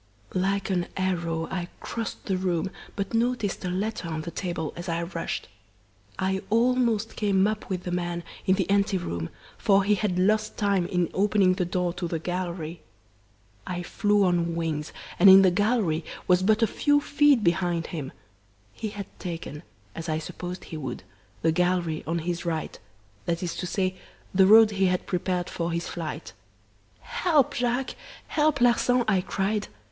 "Like an arrow I crossed the room, but noticed a letter on the table as I rushed. I almost came up with the man in the ante room, for he had lost time in opening the door to the gallery. I flew on wings, and in the gallery was but a few feet behind him. He had taken, as I supposed he would, the gallery on his right, that is to say, the road he had prepared for his flight. 'Help, Jacques! help, Larsan!' I cried.